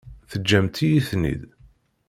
Teǧǧamt-iyi-ten-id.